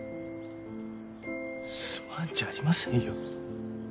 「すまん」じゃありませんよ。